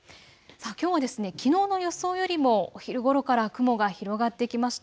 きょうはきのうの予想よりもお昼ごろから雲が広がってきました。